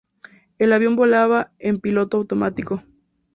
El avión volaba en piloto automático.